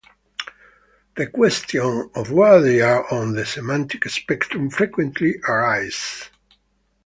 The question of where they are on the semantic spectrum frequently arises.